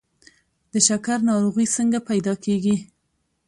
د شکر ناروغي څنګه پیدا کیږي؟